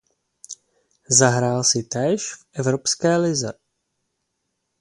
Zahrál si též v Evropské lize.